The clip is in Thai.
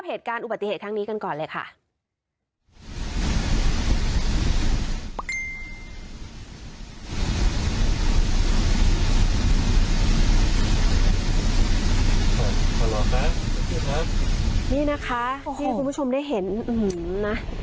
อ่ะหรอคะนี่นะคะคุณผู้ชมได้เห็นอื้อหือนะ